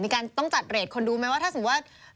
ต้องจัดเรทคนดูไหมว่าถ้าสมมุติว่า